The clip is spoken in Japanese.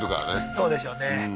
そうでしょうね